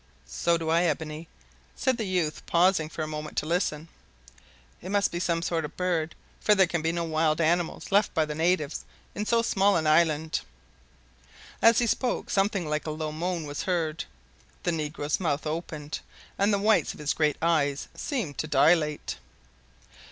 "So do I, Ebony," said the youth, pausing for a moment to listen; "it must be some sort of bird, for there can be no wild animals left by the natives in so small an island." As he spoke something like a low moan was heard. The negro's mouth opened, and the whites of his great eyes seemed to dilate.